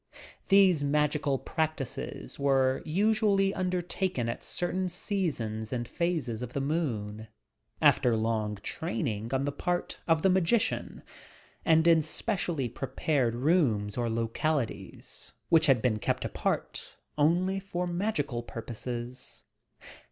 These magical practices were usually under taken at certain seasons and phases of the moon, after long training on the part of the magician, and in spe cially prepared rooms or localities, which had been kept apart only for magical purposes.